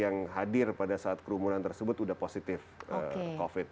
yang hadir pada saat kerumunan tersebut sudah positif covid